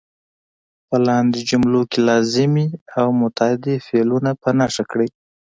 په لاندې جملو کې لازمي او متعدي فعلونه په نښه کړئ.